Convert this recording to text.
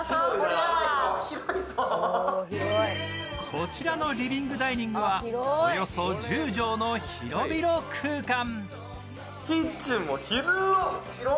こちらのリビング・ダイニングはおよそ１０畳の広々空間。